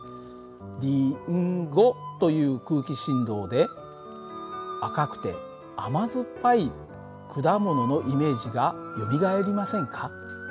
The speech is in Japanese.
「りんご」という空気振動で赤くて甘酸っぱい果物のイメージがよみがえりませんか？